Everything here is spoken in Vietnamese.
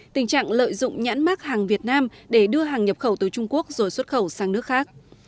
tình trạng lợi dụng nhãn mát hàng việt nam để đưa hàng nhập khẩu từ trung quốc rồi xuất khẩu sang nước khác